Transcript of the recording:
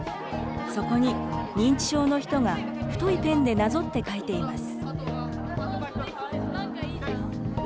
そこに認知症の人が太いペンでなぞって書いています。